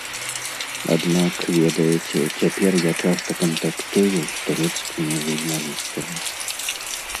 Аднак, ведаеце, цяпер я часта кантактую з турэцкімі журналістамі.